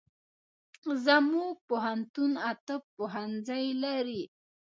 زمونږ پوهنتون اته پوهنځي لري